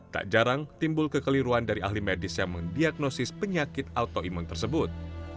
tak jarang timbul kekeliruan dari ahli medis yang mendiagnosis penyakit autoimun tersebut